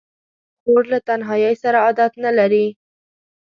خور له تنهایۍ سره عادت نه لري.